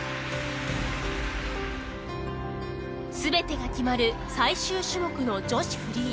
全てが決まる最終種目の女子フリー。